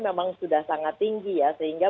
memang sudah sangat tinggi ya sehingga